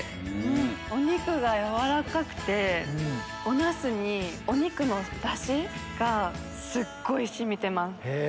お肉が軟らかくておナスにお肉のダシがすごい染みてます。